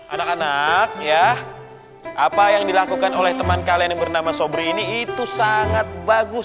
anak anak ya apa yang dilakukan oleh teman kalian yang bernama sobri ini itu sangat bagus